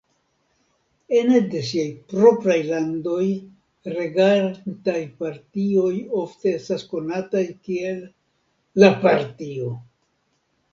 Ene de siaj propraj landoj, regantaj partioj ofte estas konataj kiel "la Partio".